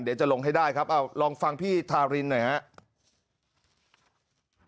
เดี๋ยวจะลงให้ได้ครับเอาลองฟังพี่ทารินหน่อยครับ